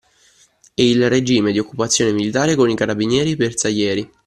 E il regime di occupazione militare con i carabinieri e i bersaglieri